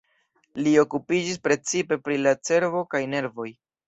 Li okupiĝis precipe pri la cerbo kaj nervoj.